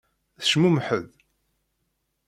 Tecmummeḥ-d.